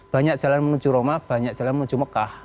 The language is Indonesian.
banyak jalan menuju roma banyak jalan menuju mekah